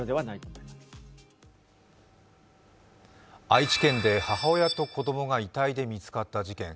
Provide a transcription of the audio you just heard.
愛知県で母親と子供が遺体で見つかった事件。